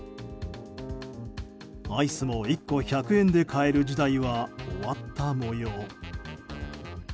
アイスも１個１００円で買える時代は終わった模様。